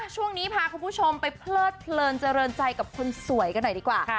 ช่วงนี้พาคุณผู้ชมไปเพลิดเพลินเจริญใจกับคนสวยกันหน่อยดีกว่า